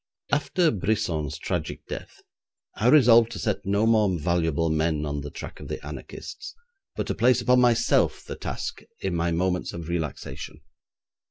After Brisson's tragic death, I resolved to set no more valuable men on the track of the anarchists, but to place upon myself the task in my moments of relaxation.